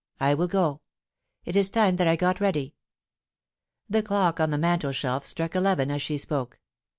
* I will ga It is time that I got ready.' The clock on the mantelshelf struck eleven as she spoke.